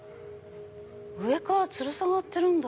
上からつる下がってるんだ。